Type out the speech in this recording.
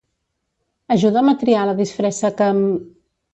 ajuda'm a triar la disfressa que m